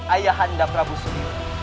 ayahanda prabu suniwa